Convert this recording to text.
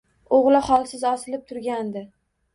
O‘g‘li holsiz osilib turgandi